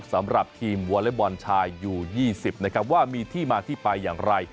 สำหรับทีมวอเล็กบอลชายอยู่๒๐นะครับว่ามีที่มาที่ไปอย่างไร